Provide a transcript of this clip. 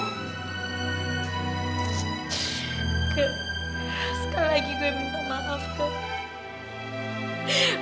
kak sekali lagi gue minta maaf kak